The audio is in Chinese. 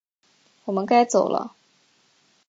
我们该走了